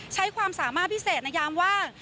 ใช้ความสามารถพิเศษในยามว่าง